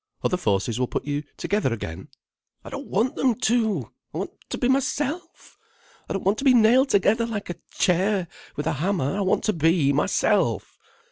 Other forces will put you together again." "I don't want them to. I want to be myself. I don't want to be nailed together like a chair, with a hammer. I want to be myself."